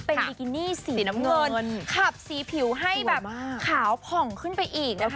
เป็นบิกินี่สีน้ำเงินขับสีผิวให้แบบขาวผ่องขึ้นไปอีกนะคะ